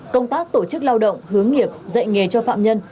công tác tổ chức lao động hướng nghiệp dạy nghề cho phạm nhân